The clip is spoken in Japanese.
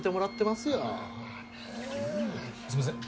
すみません